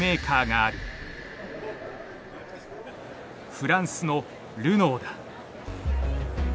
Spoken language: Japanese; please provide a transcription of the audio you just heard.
フランスの「ルノー」だ。